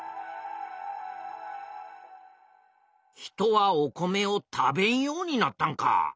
人はお米を食べんようになったんか。